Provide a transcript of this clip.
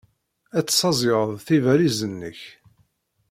Ad tessaẓyeḍ tibalizin-nnek.